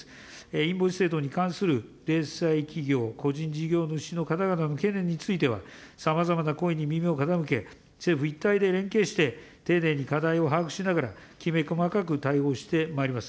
インボイス制度に関する零細企業、個人事業主の方々の懸念については、さまざまな声に耳を傾け、政府一体で連携して、丁寧に課題を把握しながら、きめ細かく対応してまいります。